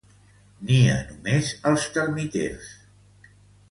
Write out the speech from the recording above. Nia només als termiters.